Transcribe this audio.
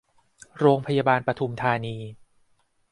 โรงพยาบาลปทุมธานี